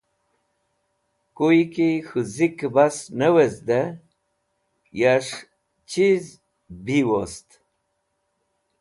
Kuy ki k̃hũ zikẽ bas ne wezdẽ, yas̃h chiz bi wost.